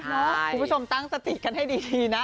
คุณผู้ชมตั้งสติกันให้ดีนะ